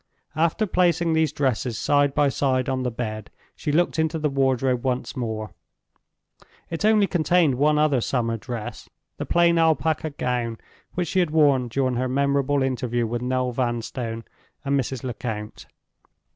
After placing these dresses side by side on the bed, she looked into the wardrobe once more. It only contained one other summer dress—the plain alpaca gown which she had worn during her memorable interview with Noel Vanstone and Mrs. Lecount.